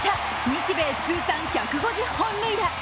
日米通算１５０本塁打。